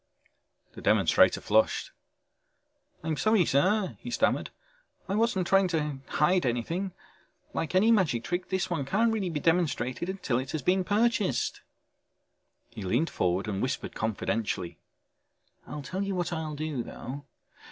The demonstrator flushed. "I'm sorry, sir," he stammered. "I wasn't trying to hide anything. Like any magic trick this one can't be really demonstrated until it has been purchased." He leaned forward and whispered confidentially. "I'll tell you what I'll do though.